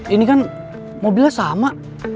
ini kan mobilnya sama